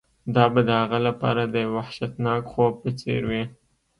دا به د هغه لپاره د یو وحشتناک خوب په څیر وي